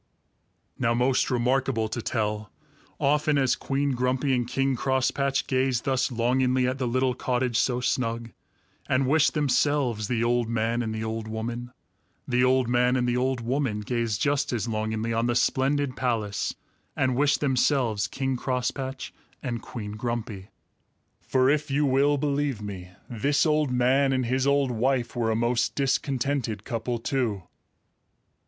Now most remarkable to tell, often as Queen Grumpy and King Crosspatch gazed thus longingly at the little cottage so snug, and wished themselves the old man and the old woman, the old man and the old woman gazed just as longingly on the splendid palace and wished themselves King Crosspatch and Queen Grumpy. For if you will believe me, this old man and his old wife were a most discontented couple too!